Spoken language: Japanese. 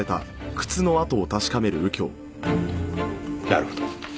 なるほど。